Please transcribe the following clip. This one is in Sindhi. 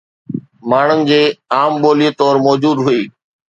ماڻهن جي عام ٻولي طور موجود هئي